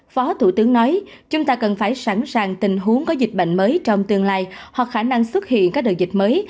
phó thủ tướng nói chúng ta cần phải sẵn sàng tình huống có dịch bệnh mới trong tương lai hoặc khả năng xuất hiện các đợt dịch mới